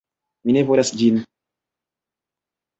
Mi ne volas ĝin!